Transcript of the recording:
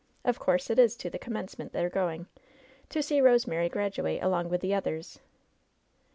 Of course, it is to the commencement they're going, to see Rosemary /graduate along with the others."